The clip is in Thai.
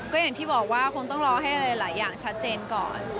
ก็อย่างที่บอกว่าคงต้องรอให้หลายอย่างชัดเจนก่อน